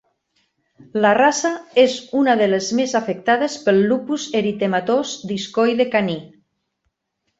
La raça és una de les més afectades pel lupus eritematós discoide caní.